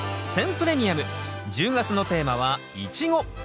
プレミアム１０月のテーマは「イチゴ」。